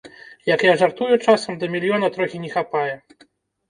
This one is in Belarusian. Як я жартую часам, да мільёна трохі не хапае.